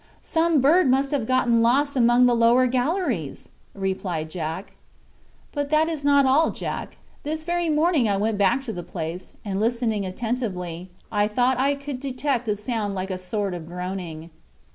"Some bird must have got lost among the lower galleries," replied Jack. "But that is not all, Jack. This very morning I went back to the place, and, listening attentively, I thought I could detect a sound like a sort of groaning."